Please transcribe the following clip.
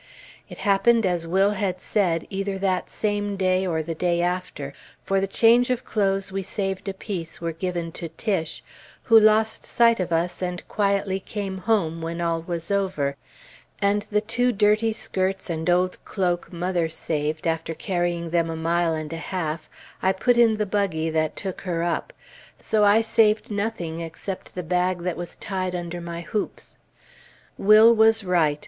It happened as Will had said, either that same day or the day after; for the change of clothes we saved apiece were given to Tiche, who lost sight of us and quietly came home when all was over, and the two dirty skirts and old cloak mother saved, after carrying them a mile and a half, I put in the buggy that took her up; so I saved nothing except the bag that was tied under my hoops. Will was right.